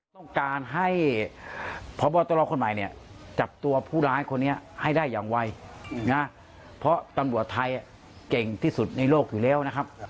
ต้องการให้พบตรคนใหม่เนี่ยจับตัวผู้ร้ายคนนี้ให้ได้อย่างไวนะเพราะตำรวจไทยเก่งที่สุดในโลกอยู่แล้วนะครับ